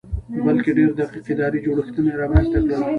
بلکې ډېر دقیق اداري جوړښتونه یې رامنځته کړل